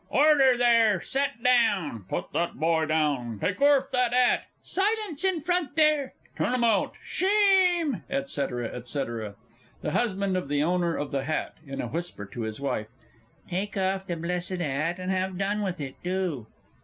Order, there! Set down! Put that boy down! Take orf that 'at! Silence in front, there! Turn 'em out! Shame! ... &c., &c. THE HUSBAND OF THE O. OF THE H. (in a whisper to his Wife). Take off the blessed 'at, and have done with it, do!